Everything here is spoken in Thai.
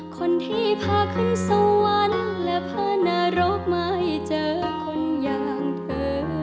คนที่พาขึ้นสวรรค์และพานรกไม่เจอคนอย่างเธอ